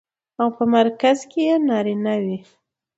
او په مرکز کې يې نارينه وي.